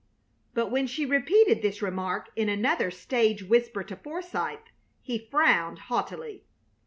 But when she repeated this remark in another stage whisper to Forsythe he frowned haughtily.